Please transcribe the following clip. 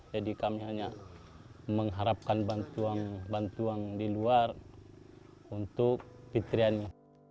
jadi kami hanya mengharapkan bantuan di luar untuk fitriani